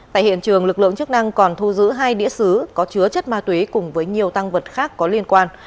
tại hiện trường lực lượng chức năng còn thu giữ hai đĩa xứ có chứa chất ma túy cùng với nhiều tăng vật khác có liên quan